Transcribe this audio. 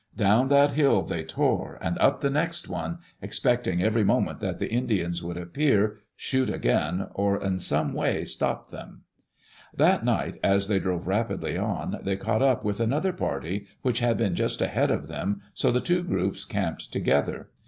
Down that hill they tore and up the next one, expecting every moment that the Indians would appear, shoot again, or in some way stop them. That night, as they drove rapidly on, they caught up with another party which had been just ahead of them, so the two groups camped together.